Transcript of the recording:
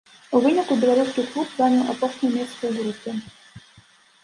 У выніку беларускі клуб заняў апошняе месца ў групе.